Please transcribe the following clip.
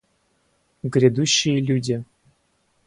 Грядущие люди!